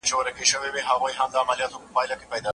شاګرد باید د استاد په غلطیو پوه سی.